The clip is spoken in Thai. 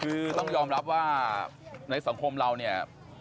คือต้องยอมรับว่าในสังคมเราเนี่ย